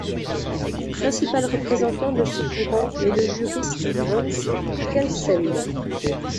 Le principal représentant de ce courant est le juriste Hans Kelsen.